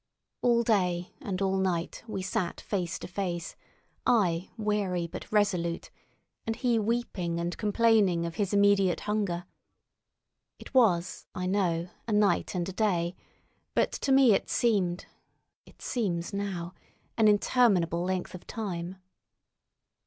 All day and all night we sat face to face, I weary but resolute, and he weeping and complaining of his immediate hunger. It was, I know, a night and a day, but to me it seemed—it seems now—an interminable length of time.